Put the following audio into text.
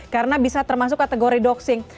karena bisa termasuk kategori doxing